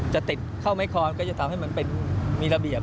จะติดเข้าไม้คอนก็จะทำให้มันเป็นมีระเบียบ